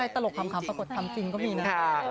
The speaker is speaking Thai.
เหรออะไรตลกคำปรากฎคำจริงก็มีนะ